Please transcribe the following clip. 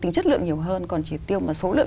tính chất lượng nhiều hơn còn chỉ tiêu mà số lượng